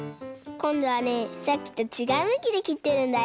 こんどはねさっきとちがうむきできってるんだよ。